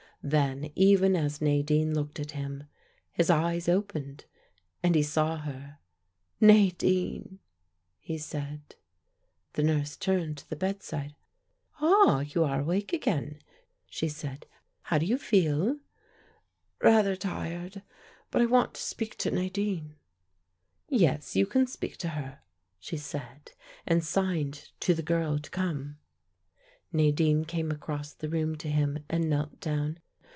Then even as Nadine looked at him, his eyes opened and he saw her. "Nadine," he said. The nurse stepped to the bedside. "Ah, you are awake again," she said. "How do you feel?" "Rather tired. But I want to speak to Nadine." "Yes, you can speak to her," she said and signed to the girl to come. Nadine came across the room to him, and knelt down.